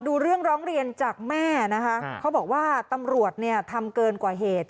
ดูเรื่องร้องเรียนจากแม่นะคะเขาบอกว่าตำรวจเนี่ยทำเกินกว่าเหตุ